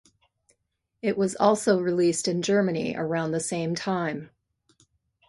It was also released in Germany around the same time.